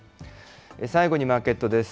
最後にマーケットです。